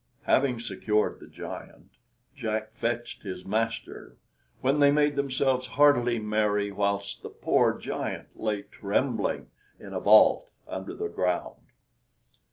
Having secured the giant, Jack fetched his master, when they made themselves heartily merry whilst the poor giant lay trembling in a vault under the ground.